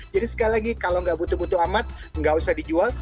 jadi sekali lagi kalau nggak butuh butuh amat nggak usah dijual